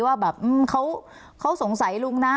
ว่าแบบเขาสงสัยลุงนะ